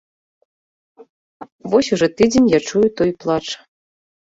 Вось ужо тыдзень я чую той плач.